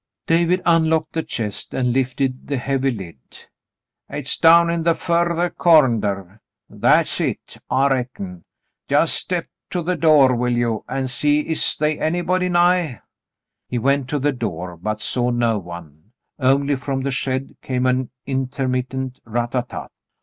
David unlocked the chest and lifted the heavy lid. "Hit's down in the further cornder — that's hit, I reckon. Just step to the door, will you, an' see is they anybody nigh." He went to the door, but saw no one ; only from the shed came an intermittent rat tat tat.